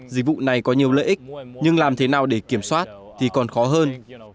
dịch vụ này có nhiều lợi ích nhưng làm thế nào để kiểm soát thì còn khó hơn